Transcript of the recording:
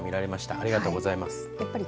ありがとうございます。